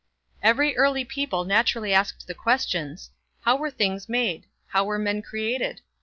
Every early people naturally asked the questions, How were things made? How were men created?